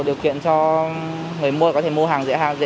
có thể tạo điều kiện cho người mua có thể tạo điều kiện cho người mua